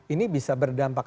ini bisa berdampak